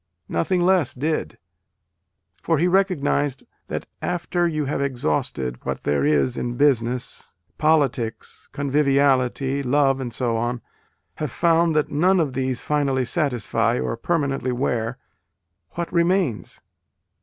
Nothing less did : for he recognised that " after you have exhausted what there is in business, politics, conviviality, love and so on have found that none of these finally satisfy, or per manently wear what remains